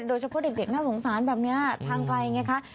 โดยเฉพาะเด็กน่าสงสารแบบนี้ทางไกลไงคะ